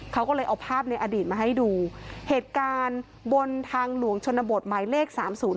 เขาก็เลยเอาภาพในอดีตมาให้ดูเหตุการณ์บนทางหลวงชนบทหมายเลข๓๐